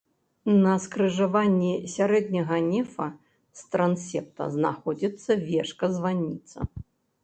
На скрыжаванні сярэдняга нефа з трансепта знаходзіцца вежка-званніца.